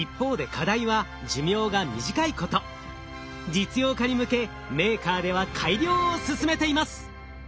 実用化に向けメーカーでは改良を進めています。